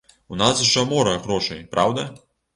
У нас жа мора грошай, праўда?